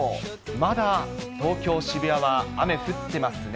まだ東京・渋谷は雨降ってますね。